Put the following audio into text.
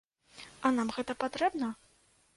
А нам гэта патрэбна?